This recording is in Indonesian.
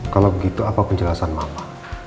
kalau begitu apa penjelasan bapak